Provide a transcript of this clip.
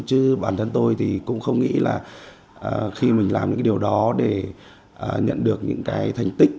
chứ bản thân tôi cũng không nghĩ là khi mình làm những điều đó để nhận được những thanh tích